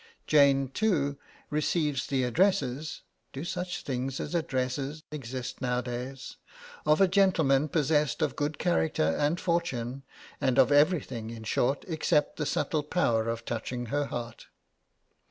Jane, too, 'receives the addresses' (do such things as addresses exist nowadays?) 'of a gentleman possessed of good character and fortune, and of everything, in short, except the subtle power of touching her heart.'